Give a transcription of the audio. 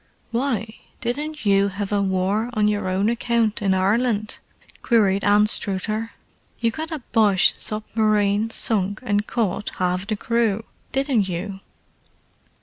"Why, didn't you have a war on your own account in Ireland?" queried Anstruther. "You got a Boche submarine sunk and caught half the crew, didn't you?"